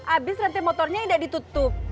abis ranting motornya tidak ditutup